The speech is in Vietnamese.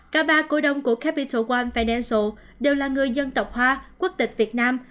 cả ba cổ đồng của capital one financial đều là người dân tộc hoa quốc tịch việt nam